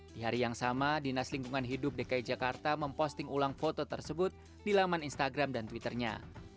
di hari yang sama dinas lingkungan hidup dki jakarta memposting ulang foto tersebut di laman instagram dan twitternya